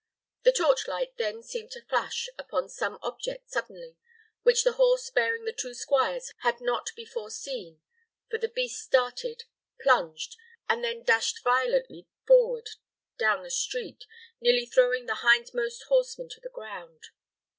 The torch light then seemed to flash upon some object suddenly, which the horse bearing the two squires had not before seen, for the beast started, plunged, and then dashed violently forward down the street, nearly throwing the hindmost horseman to the ground.